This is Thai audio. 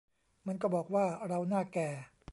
มันก็บอกว่า เราหน้าแก่